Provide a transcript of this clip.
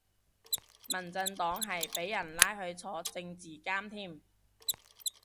民進黨係俾人拉去坐政治監添